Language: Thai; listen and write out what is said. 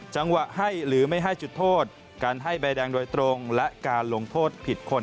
จังหวะให้หรือไม่ให้จุดโทษการให้ใบแดงโดยตรงและการลงโทษผิดคน